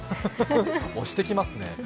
押してきますね。